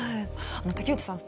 竹内さん